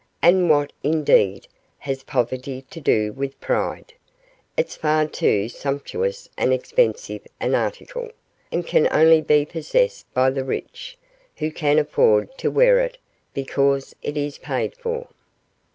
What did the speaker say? And what indeed, has poverty to do with pride? it's far too sumptuous and expensive an article, and can only be possessed by the rich, who can afford to wear it because it is paid for.